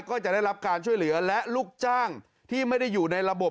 ก็จะได้รับการช่วยเหลือและลูกจ้างที่ไม่ได้อยู่ในระบบ